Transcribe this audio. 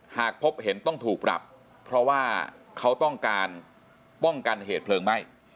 หากพบเห็นต้องถูกปรับเพราะว่าเขาต้องการป้องกันเหตุเพลิงไหม้